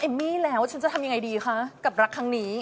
มี่แล้วฉันจะทำยังไงดีคะกับรักครั้งนี้